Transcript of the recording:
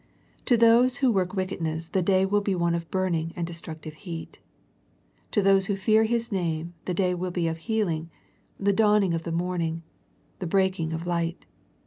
To those who work wickedness the day would be one of burning and destructive heat. To those who fear His name the day would be of healing, the dawning of the morning, the breaking of light.